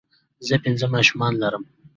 زۀ پنځه ماشومان لرم